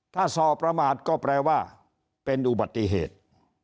ถ้าส่อประมาทก็แปลว่าเป็นอุบัติเหตุ